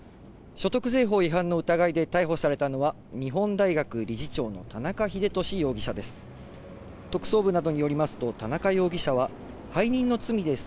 所得税法違反の疑いで逮捕されたのは、日本大学理事長の田中英壽容疑者です。